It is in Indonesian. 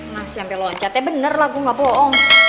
masih sampe loncatnya bener lah gue gak bohong